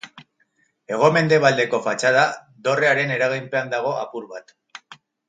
Hego-mendebaldeko fatxada dorrearen eraginpean dago apur bat.